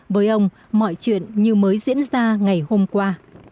với ông mọi chuyện như mới diễn ra ngày hôm qua